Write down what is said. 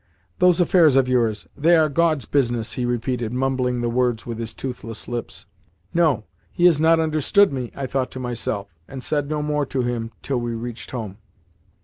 "Those affairs of yours they are God's business," he repeated, mumbling the words with his toothless lips. "No, he has not understood me," I thought to myself, and said no more to him till we reached home.